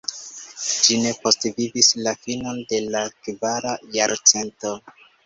Ĝi ne postvivis la finon de la kvara jarcento.